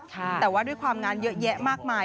แต่ว่าด้วยความงานเยอะแยะมากมาย